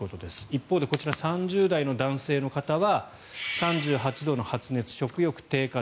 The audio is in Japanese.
一方でこちら、３０代男性の方は３８度の発熱、食欲低下